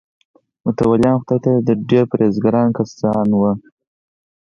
متولیان خدای ته ډېر پرهیزګاره کسان وو.